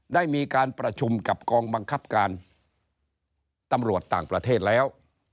ได้มีการประชุมกับกองบังคับการตำรวจต่างประเทศแล้ว